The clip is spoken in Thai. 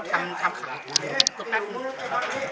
เป็นผู้ชาย